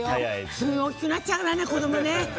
すぐ大きくなっちゃうからね子供ね。